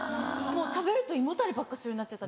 食べると胃もたればっかするようになっちゃった。